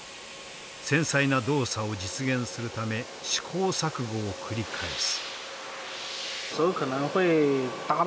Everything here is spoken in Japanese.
繊細な動作を実現するため試行錯誤を繰り返す。